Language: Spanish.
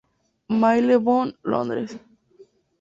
Marylebone, Londres.